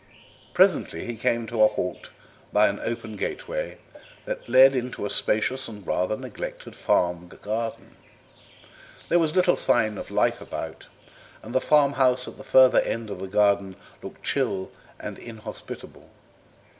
Presently he came to a halt by an open gateway that led into a spacious and rather neglected farm garden; there was little sign of life about, and the farm house at the further end of the garden looked chill and inhospitable.